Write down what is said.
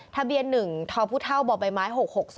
ทะเบียน๑ท้อภูเท่าบ่อใบไม้๖๖๒๓